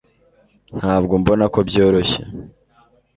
ntabwo mbona ko byoroshye